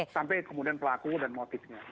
sampai kemudian pelaku dan motifnya